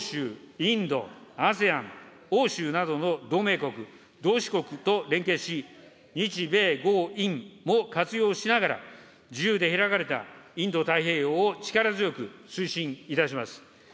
インド、ＡＳＥＡＮ、欧州などの同盟国・同志国と連携し、日米豪印も活用しながら、自由で開かれたインド太平洋を力強く推進いたします。